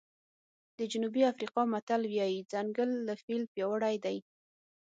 د جنوبي افریقا متل وایي ځنګل له فیل پیاوړی دی.